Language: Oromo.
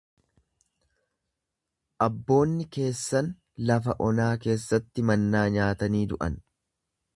Abboonni keessan lafa onaa keessatti mannaa nyaatanii du’an.